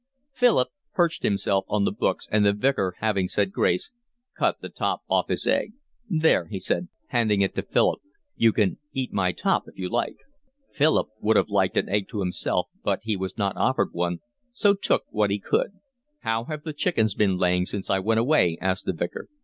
Philip perched himself on the books, and the Vicar, having said grace, cut the top off his egg. "There," he said, handing it to Philip, "you can eat my top if you like." Philip would have liked an egg to himself, but he was not offered one, so took what he could. "How have the chickens been laying since I went away?" asked the Vicar.